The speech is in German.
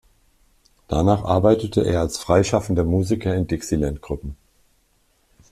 Danach arbeitete er als freischaffender Musiker in Dixieland-Gruppen.